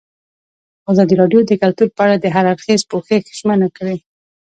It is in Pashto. ازادي راډیو د کلتور په اړه د هر اړخیز پوښښ ژمنه کړې.